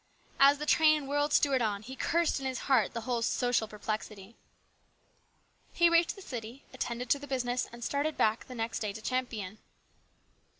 As the train whirled Stuart on, he cursed in his heart the whole social perplexity. He reached the city, attended to the business, and started back the next day to Champion.